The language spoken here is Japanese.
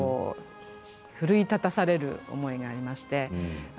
奮い立たされる思いがありまして。